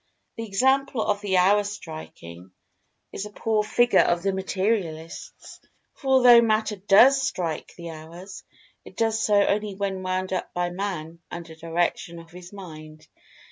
The example of the "hour striking" is a poor figure for the Materialists, for although matter does strike the hours, it does so only when wound up by Man under direction of his Mind.